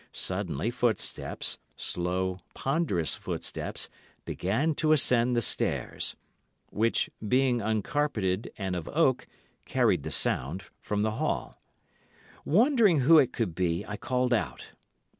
Suddenly footsteps, slow, ponderous footsteps, began to ascend the stairs—which, being uncarpetted and of oak, carried the sound—from the hall. Wondering who it could be, I called out.